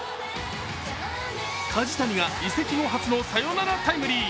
梶谷が移籍後初のサヨナラタイムリー。